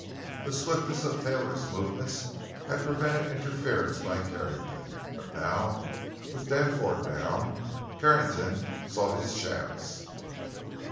The swiftness of Taylor's movements had prevented interference by Carrington; but now, with Danforth down, Carrington saw his chance.